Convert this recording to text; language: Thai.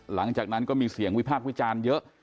หลังจากนั้นก็มีเสียงวิพากษ์วิจารณ์เยอะ